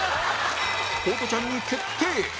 ホトちゃんに決定！